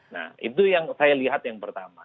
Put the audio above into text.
nah itu yang saya lihat yang pertama